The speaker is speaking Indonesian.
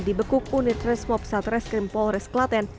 dibekuk unit resmob satreskrim polres klaten